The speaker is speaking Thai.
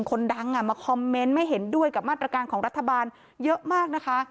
คนดังมาคอมเมนต์ไม่เห็นด้วยกับมาตรการของรัฐบาลเยอะมากนะคะ